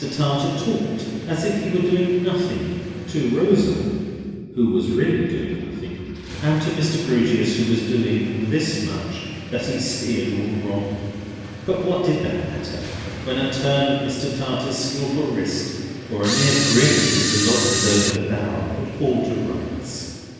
Tartar talked as if he were doing nothing, to Rosa who was really doing nothing, and to Mr. Grewgious who was doing this much that he steered all wrong; but what did that matter, when a turn of Mr. Tartar's skilful wrist, or a mere grin of Mr. Lobley's over the bow, put all to rights!